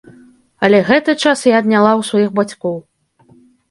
Але гэты час я адняла ў сваіх бацькоў.